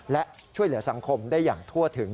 และช่วยเหลือสังคมได้อย่างทั่วถึง